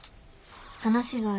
話がある。